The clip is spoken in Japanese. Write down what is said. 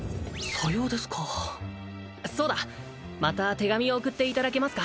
さようですかそうだまた手紙を送っていただけますか？